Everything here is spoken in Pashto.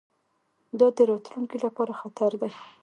دا د راتلونکي لپاره خطر دی.